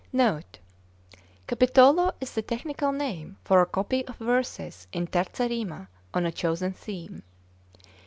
Note 1. Capitolo is the technical name for a copy of verses in 'terza rima' on a chosen theme.